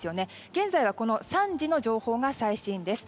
現在は３時の情報が最新です。